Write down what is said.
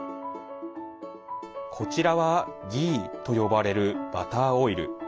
こちらはギーと呼ばれるバターオイル。